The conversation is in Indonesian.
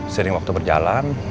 sering waktu berjalan